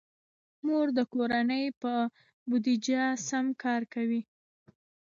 مور د کورنۍ په بودیجه سم کار کوي.